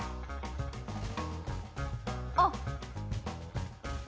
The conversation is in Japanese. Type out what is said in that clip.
あっ！